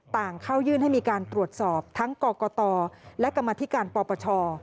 เข้ายื่นให้มีการตรวจสอบทั้งกรกตและกรรมธิการปปช